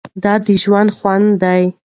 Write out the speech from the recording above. دا د ژوند خوند دی.